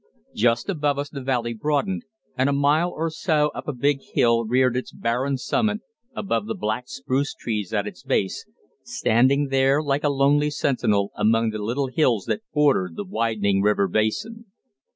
Just above us the valley broadened, and a mile or so up a big hill reared its barren summit above the black spruce trees at its base, standing there like a lonely sentinel among the little hills that bordered the widening river basin.